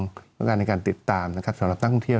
ไม่ว่าจะเป็นมาตรการในการติดตามสำหรับตั้งเที่ยว